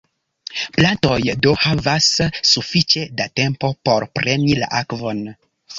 Plantoj do havas sufiĉe da tempo por preni la akvon.